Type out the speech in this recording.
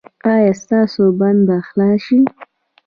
ایا ستاسو بند به خلاص شي؟